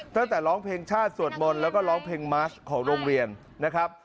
ตั้งแต่ร้องเพลงชาติสวดมนต์แล้วก็ร้องเพลงมาสของโรงเรียนนะครับ